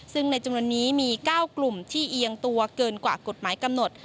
ซึ่งในจำนวนนี้มี๙กลุ่มที่เอียงตัวเกินกว่ากฎหมายกำหนด